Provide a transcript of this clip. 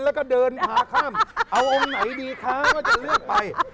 แล้วก็เดินพาข้ามเอาองค์ไหนดีคะก็จะเลือกไป